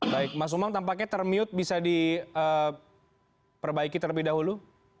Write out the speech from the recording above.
baik mas umam tampaknya termute bisa diperbaiki terlebih dahulu